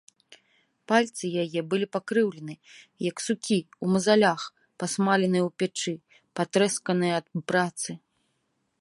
Пальцы яе былі пакрыўлены, як сукі, у мазалях, пасмаленыя ў печы, патрэсканыя ад працы.